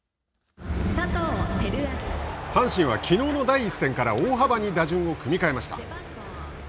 阪神はきのうの第１戦から大幅に打順を組み替えました。